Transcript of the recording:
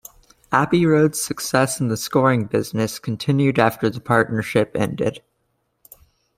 Abbey Road's success in the scoring business continued after the partnership ended.